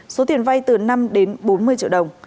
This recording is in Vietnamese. số tiền vay từ năm đến bốn mươi triệu đồng